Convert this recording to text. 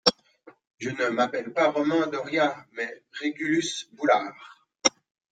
Je ne m'appelle pas Romain Doria, mais Régulus Boulard.